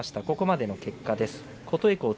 ここまでの結果です。